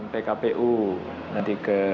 pkpu nanti ke